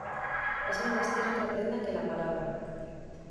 es menester otra prenda que la palabra.